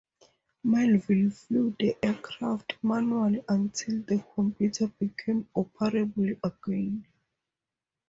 Melvill flew the aircraft manually until the computer became operable again.